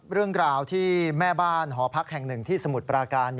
เรื่องราวที่แม่บ้านหอพักแห่งหนึ่งที่สมุทรปราการ